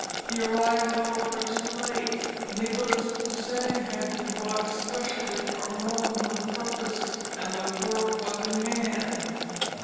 He arrived, however, too late: Nicholas Poussin had been brought specially from Rome for the purpose, and the work was in hand.